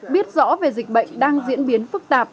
biết rõ về dịch bệnh đang diễn biến phức tạp